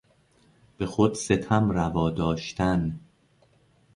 به خود ستم روا داشتن